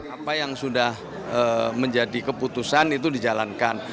apa yang sudah menjadi keputusan itu dijalankan